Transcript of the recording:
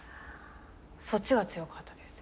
そっちが強かったです。